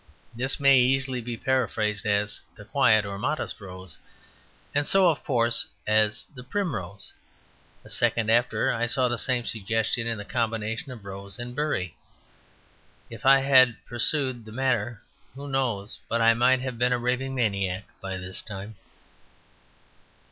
This may easily be paraphrased as "The Quiet or Modest Rose"; and so, of course, as the Primrose. A second after I saw the same suggestion in the combination of "rose" and "bury." If I had pursued the matter, who knows but I might have been a raving maniac by this time.